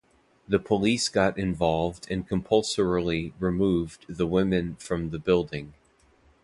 The police got involved and compulsorily removed the women from the building.